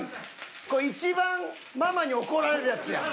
これ一番ママに怒られるやつやん。